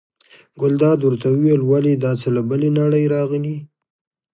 ګلداد ورته وویل: ولې دا څه له بلې نړۍ راغلي.